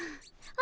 あ。